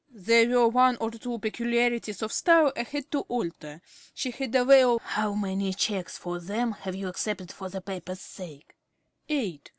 _) There were one or two peculiarities of style I had to alter. She had a way of ~Smith~ (sternly). How many cheques for them have you accepted for the paper's sake? ~Jones.~ Eight.